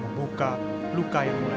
membuka luka yang mulai sembuh